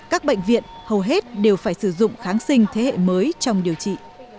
các bệnh viện hầu hết đều phải sử dụng kháng sinh thế hệ mới trong điều trị